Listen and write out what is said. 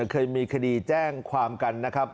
เคยมีคดีแจ้งความกันนะครับ